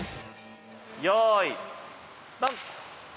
よいドン。